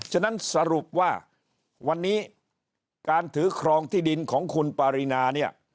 ฉะนั้นสรุปว่าวันนี้การถือครองที่ดินของคุณปารีนาเนี่ย